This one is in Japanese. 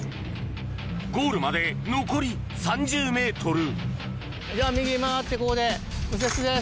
ゴールまで残り３０ｍじゃあ右曲がってここで右折です。